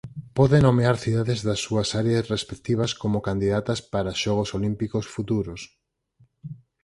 Pode nomear cidades das súas áreas respectivas como candidatas para Xogos Olímpicos futuros.